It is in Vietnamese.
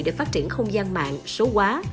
để phát triển không gian mạng số quá